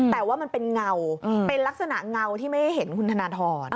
แต่ว่ามันเป็นเงาเป็นลักษณะเงาที่ไม่เห็นคุณธนทร